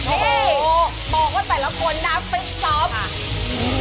โอ้โฮบอกว่าแต่ละคนนักเป็นซ้อม